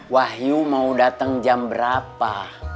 wahyu mau datang jam berapa